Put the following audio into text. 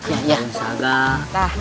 ayah daun saga